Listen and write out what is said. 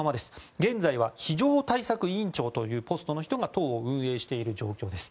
現在は非常対策委員長というポストの人が党を運営している状況です。